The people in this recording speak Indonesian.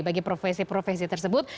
bagi profesi profesi tersebut